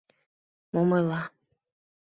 Мом ойла?..